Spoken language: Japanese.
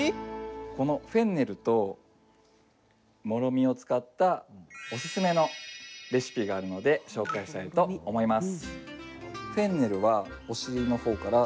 このフェンネルともろみを使ったおすすめのレシピがあるので紹介したいと思います。